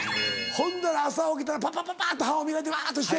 ほんだら朝起きたらパパパパっと歯を磨いてわっとして。